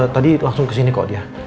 tadi langsung kesini kok dia